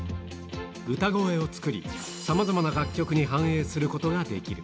歌声を作り、さまざまな楽曲に反映することができる。